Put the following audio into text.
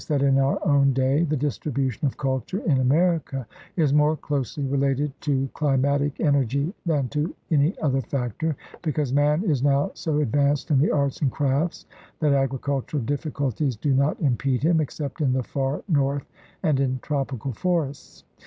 We saw, in the first place, that in our own day the distribution of culture in America is more closely related to climatic energy 168 THE RED MAN'S CONTINENT than to any other factor, because man is now so advanced in the arts and crafts that agricultural diflSculties do not impede him, except in the far north and in tropical forests.